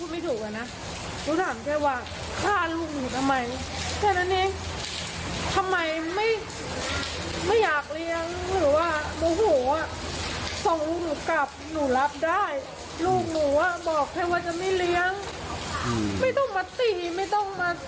พี่เด็กมาตีนหัวปุ๊บหัวปุ๊บหนูรับไม่ได้ลูกหนูต้องไปอยู่บ้านดัง